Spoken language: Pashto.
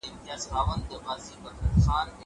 زه له سهاره ښوونځی ځم.